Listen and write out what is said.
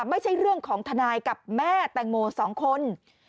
ไม่ใช่เรื่องของทนายกับแม่แตงโม๒คน